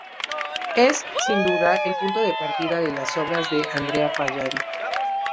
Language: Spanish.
Es, sin duda, el punto de partida de las obras de Andrea Palladio.